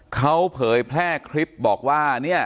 เขาเผยแพร่คลิปบอกว่าเนี่ย